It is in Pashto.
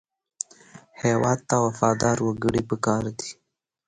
هېواد ته وفادار وګړي پکار دي